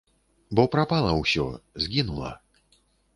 Бо прапала ўсё, згінула.